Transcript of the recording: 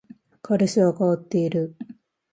彼氏は変わっている